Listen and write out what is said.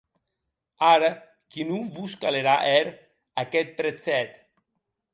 Ara que non vos calerà hèr aqueth prètzhèt.